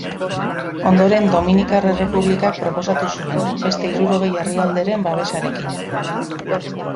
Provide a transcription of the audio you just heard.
Ondoren Dominikar Errepublikak proposatu zuen, beste hirurogei herrialderen babesarekin.